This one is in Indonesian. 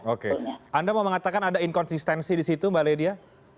oke anda mau mengatakan ada inkonsistensi di situ mbak ledia